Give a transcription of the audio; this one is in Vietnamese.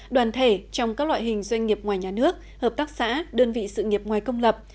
đoàn thể trong các loại hình doanh nghiệp ngoài nhà nước hợp tác xã đơn vị sự nghiệp ngoài công lập